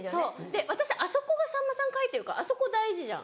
で私あそこがさんまさん書いてるからあそこ大事じゃん。